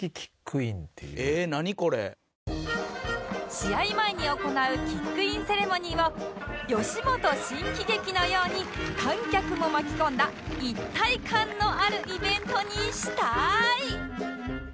試合前に行うキックインセレモニーをよしもと新喜劇のように観客も巻き込んだ一体感のあるイベントにしたい